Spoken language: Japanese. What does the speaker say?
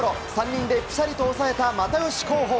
３人でぴしゃりと抑えた又吉広報。